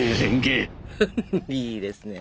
いいですね。